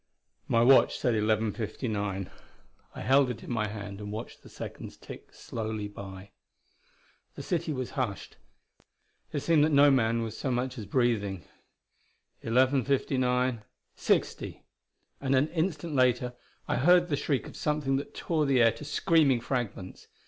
My watch said 11:59; I held it in my hand and watched the seconds tick slowly by. The city was hushed; it seemed that no man was so much as breathing ... 11:59 :60! and an instant later I heard the shriek of something that tore the air to screaming fragments.